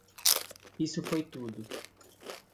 Isso foi tudo.